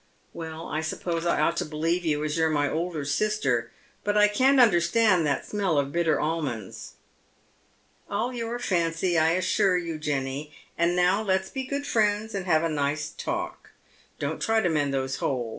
Well, I suppose I ought to believe you, as you're my elder sister. But I can't understand that smell of bitter almonds." "All your fancy, I assure you, Jenny. And now let's be good friends, and have a nice talk. Don't try to mend those holes.